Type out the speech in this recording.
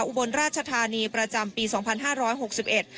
อุบลราชธานีประจำปีสองพันห้าร้อยหกสิบเอ็ด